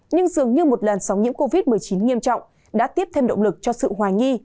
nhưng dường như một làn sóng nhiễm covid một mươi chín nghiêm trọng đã tiếp thêm động lực cho sự hoài nghi